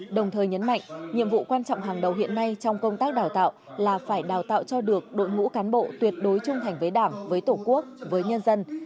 đồng thời nhấn mạnh nhiệm vụ quan trọng hàng đầu hiện nay trong công tác đào tạo là phải đào tạo cho được đội ngũ cán bộ tuyệt đối trung thành với đảng với tổ quốc với nhân dân